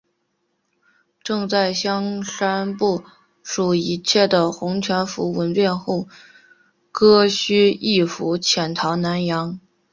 正在香山部署一切的洪全福闻变后割须易服潜逃南洋。